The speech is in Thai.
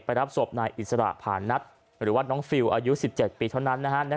ไปรับศพนายอิสระผ่านนัดหรือว่าน้องฟิลล์อายุสิบเจ็ดปีเท่านั้นนะฮะ